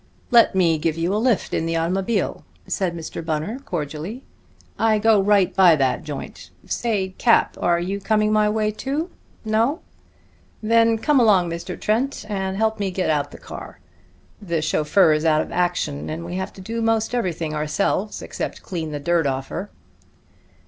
"Let me give you a lift in the automobile," said Mr. Bunner cordially. "I go right by that joint. Say, Cap, are you coming my way, too? No? Then come along, Mr. Trent, and help me get out the car. The chauffeur is out of action, and we have to do 'most everything ourselves except clean the dirt off her."